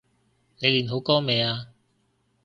你練好歌未呀？